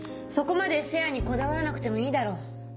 そこまでフェアにこだわらなくてもいいだろ。